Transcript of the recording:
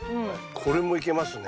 これもいけますね。